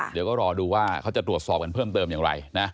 เดี๋ยวก็รอดูว่าเขาจะตรวจสอบกันเพิ่มเติมอย่างไรนะ